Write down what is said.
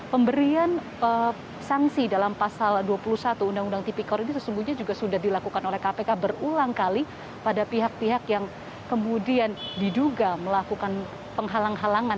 pemberian sanksi dalam pasal dua puluh satu undang undang tipikor ini sesungguhnya juga sudah dilakukan oleh kpk berulang kali pada pihak pihak yang kemudian diduga melakukan penghalang halangan